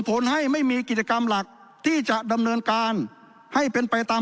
ผลให้ไม่มีกิจกรรมหลักที่จะดำเนินการให้เป็นไปตาม